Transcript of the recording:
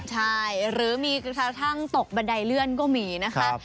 ใช่หรือมีกระทั่งตกบันไดเลื่อนก็มีนะคะ